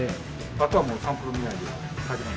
あとはもうサンプル見ないでかえて。